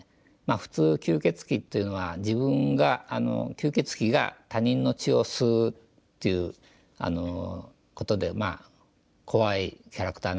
普通吸血鬼というのは自分が吸血鬼が他人の血を吸うっていうことでまあ怖いキャラクターなんですけども。